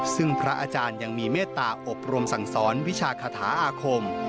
ซึ่งพระอาจารย์ยังมีเมตตาอบรมสั่งสอนวิชาคาถาอาคม